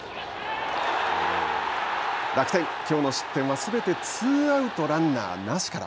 楽天、きょうの失点はすべてツーアウト、ランナーなしから。